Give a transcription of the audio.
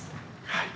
はい。